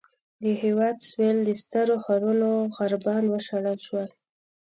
د هېواد سوېل له سترو ښارونو عربان وشړل شول.